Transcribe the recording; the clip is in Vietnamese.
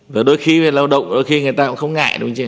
và đôi khi về lao động đôi khi người ta cũng không ngại đúng chứ